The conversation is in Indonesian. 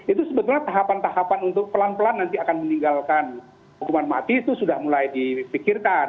itu sebetulnya tahapan tahapan untuk pelan pelan nanti akan meninggalkan hukuman mati itu sudah mulai dipikirkan